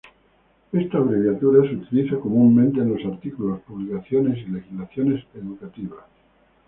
Esta abreviatura se utiliza comúnmente en los artículos, publicaciones y legislaciones educativas.